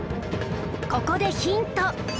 ここでヒント